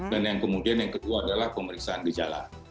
dan yang kemudian yang kedua adalah pemeriksaan gejala